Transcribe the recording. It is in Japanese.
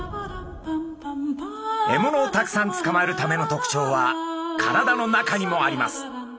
獲物をたくさんつかまえるための特徴は体の中にもあります。